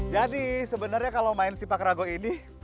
jadi sebenarnya kalau main sipak ragu ini